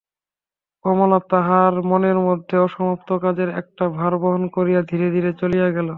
কমলা তাহার মনের মধ্যে অসমাপ্ত কাজের একটা ভার বহন করিয়া ধীরে ধীরে চলিয়া গেল।